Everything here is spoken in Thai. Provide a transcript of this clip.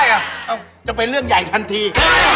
จะเป็นเรื่องใหญ่ทันที